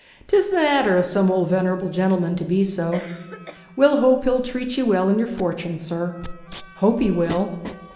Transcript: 'Tis the nater of some old venerable gentlemen to be so. We'll hope he'll treat ye well in yer fortune, sir.' 'Hope he will.